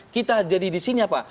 kita jadi disini apa